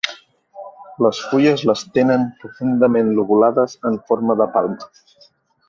Les fulles les tenen profundament lobulades en forma de palma.